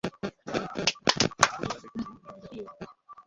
আরে ওরা রেকর্ড রুমে চলে গেছে।